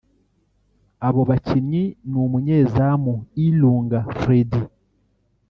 Abo bakinnyi ni umunyezamu Ilunga Freddy